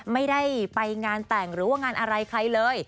ไม่ได้ไปงานแต่งหรือว่างานอะไรใครเลย